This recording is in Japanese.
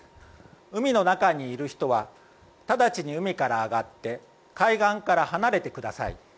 海の中にいる人は直ちに海から上がって海岸から離れてください。